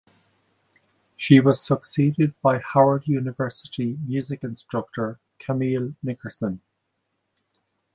She was succeeded by Howard University music instructor Camille Nickerson.